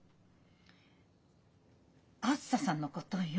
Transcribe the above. あづささんのことよ。